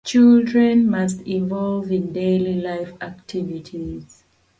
The course of true love never did run smooth